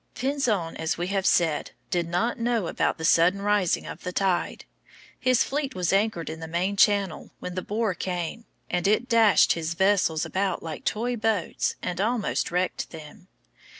Pinzon, as we have said, did not know about the sudden rising of the tide. His fleet was anchored in the main channel when the bore came, and it dashed his vessels about like toy boats and almost wrecked them.